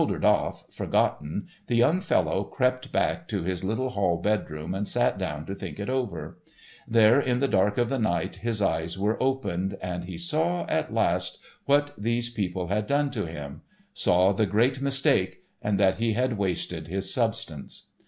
Shouldered off, forgotten, the young fellow crept back to his little hall bedroom and sat down to think it over. There in the dark of the night his eyes were opened, and he saw, at last, what these people had done to him; saw the Great Mistake, and that he had wasted his substance.